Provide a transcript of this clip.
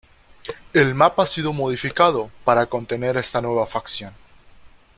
El Mapa ha sido modificado para contener esta nueva facción.